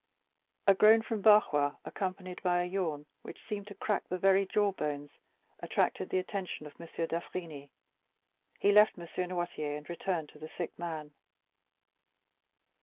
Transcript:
A groan from Barrois, accompanied by a yawn which seemed to crack the very jawbones, attracted the attention of M. d'Avrigny; he left M. Noirtier, and returned to the sick man.